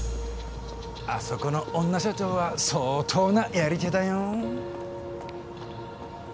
あそこの女社長は相当なやり手だよ。